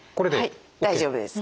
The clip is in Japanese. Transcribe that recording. はい大丈夫です。